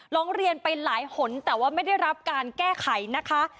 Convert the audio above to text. ร้องเรียนไปหลายหนแต่ว่าไม่ได้รับการแก้ไขนะคะ